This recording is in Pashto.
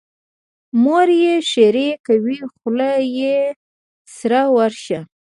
مور یې ښېرې کوي: خوله دې سره ورشه.